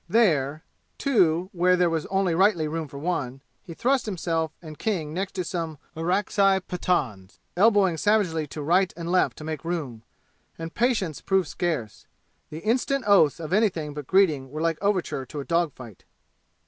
There two, where there was only rightly room for one he thrust himself and King next to some Orakzai Pathans, elbowing savagely to right and left to make room. And patience proved scarce. The instant oaths of anything but greeting were like overture to a dog fight.